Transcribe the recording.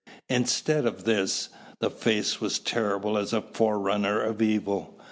Instead of this, that face was terrible as a forerunner of evil.